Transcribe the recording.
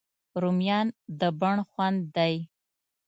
رومیان د بڼ خوند دي